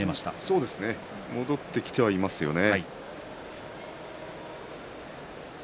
そうですね戻ってきてはいますよね。